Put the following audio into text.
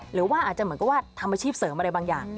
หรือว่าอาจจะเหมือนกับว่าทำอาชีพเสริมอะไรบางอย่าง